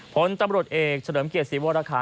ผลตำรวจเอกเฉลิมเกียรติศรีวรคา